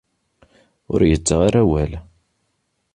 Ur yettaɣ ara awal.